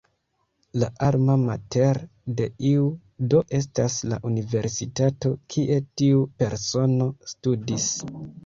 La "Alma mater" de iu do estas la universitato kie tiu persono studis.